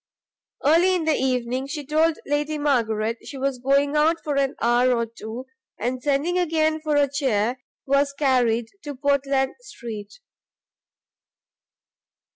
Early in the evening, she told Lady Margaret she was going out for an hour or two, and sending again for a chair, was carried to Portland street.